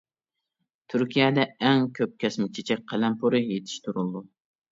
تۈركىيەدە ئەڭ كۆپ كەسمە چېچەك قەلەمپۇرى يېتىشتۈرۈلىدۇ.